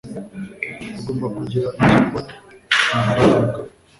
Igomba kugira icyo ikora kumafaranga.